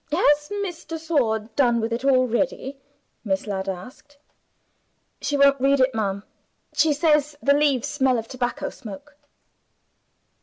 "Has Miss de Sor done with it already?" Miss Ladd asked. "She won't read it, ma'am. She says the leaves smell of tobacco smoke."